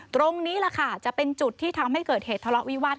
ตรงนี้แหละค่ะจะเป็นจุดที่ทำให้เกิดเหตุทะเลาะวิวาส